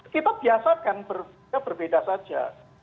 kita biasa kan berbeda saja